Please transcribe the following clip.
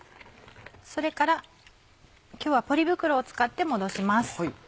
それから今日はポリ袋を使って戻します。